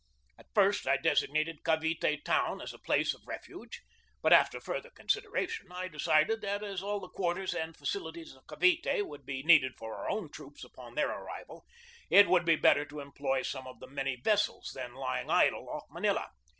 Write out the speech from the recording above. At first I designated Cavite town as a place of refuge; but after further consideration I decided that, as all the quarters and facilities of Cavite would be needed for our own troops upon their arrival, it would be better to employ some of the many vessels then lying idle off Manila.